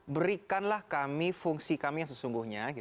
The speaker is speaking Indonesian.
berikanlah kami fungsi kami yang sesungguhnya